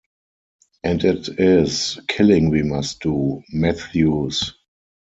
And it is killing we must do, Matthews.